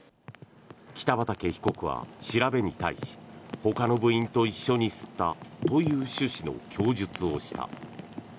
北畠被告は調べに対しほかの部員と一緒に吸ったという趣旨の供述をした。